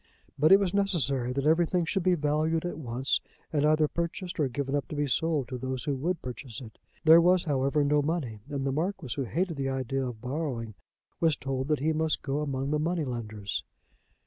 But it was necessary that everything should be valued at once, and either purchased or given up to be sold to those who would purchase it. There was, however, no money, and the Marquis who hated the idea of borrowing was told that he must go among the money lenders.